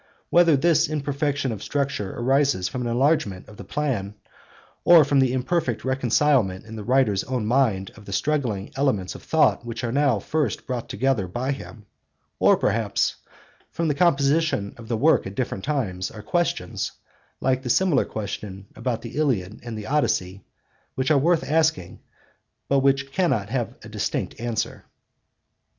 Whether this imperfection of structure arises from an enlargement of the plan; or from the imperfect reconcilement in the writer's own mind of the struggling elements of thought which are now first brought together by him; or, perhaps, from the composition of the work at different times—are questions, like the similar question about the Iliad and the Odyssey, which are worth asking, but which cannot have a distinct answer.